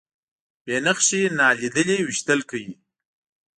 بې نښې نالیدلي ویشتل کوي.